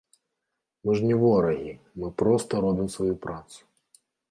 Мы ж не ворагі, мы проста робім сваю працу.